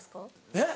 えっ？